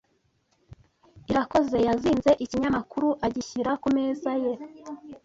Irakoze yazinze ikinyamakuru agishyira ku meza ye.